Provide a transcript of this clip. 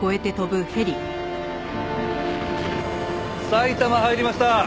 埼玉入りました。